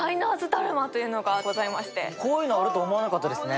こういうのがあるとは思わなかったですね。